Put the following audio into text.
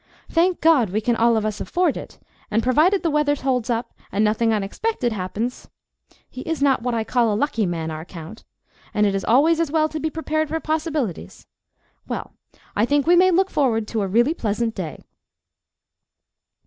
Thank God, we can all of us afford it, and provided the weather holds up and nothing unexpected happens—he is not what I call a lucky man, our Count, and it is always as well to be prepared for possibilities—well, I think we may look forward to a really pleasant day."